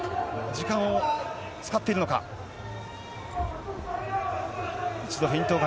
時間を使ってるのか？